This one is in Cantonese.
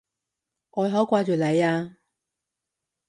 我好掛住你啊！